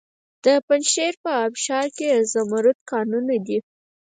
د پنجشیر په ابشار کې د زمرد کانونه دي.